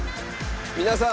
皆さん。